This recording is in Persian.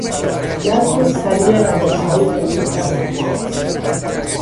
جذب سریع روشهای جدید در صنعت